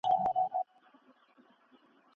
د خپل سوزېدلي چت تر چوپتیا لاندې